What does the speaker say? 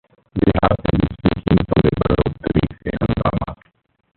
बिहार में बिजली कीमतों में बढ़ोतरी से हंगामा